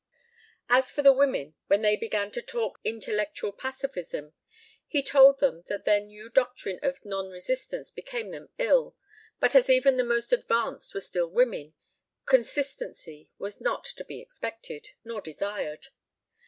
As for the women, when they began to talk their intellectual pacificism, he told them that their new doctrine of non resistance became them ill, but as even the most advanced were still women, consistency was not to be expected nor desired.